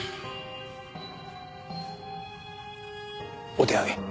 お手上げ？